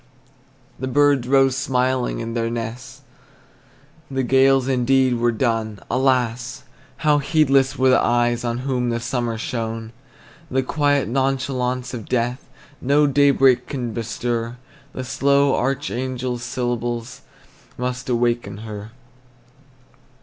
The birds rose smiling in their nests, The gales indeed were done; Alas! how heedless were the eyes On whom the summer shone! The quiet nonchalance of death No daybreak can bestir; The slow archangel's syllables Must awaken her.